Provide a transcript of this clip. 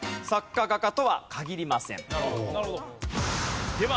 なるほど。